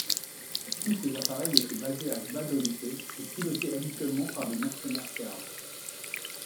Tous ces appareils étaient basés à Gbadolite et pilotés habituellement par des mercenaires serbes.